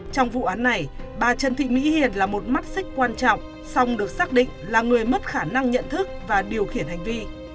trong vụ án này bà trần thị mỹ hiền là một mắt xích quan trọng song được xác định là người mất khả năng nhận thức và điều khiển hành vi